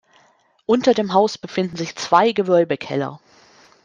Unter dem Haus befinden sich zwei Gewölbekeller.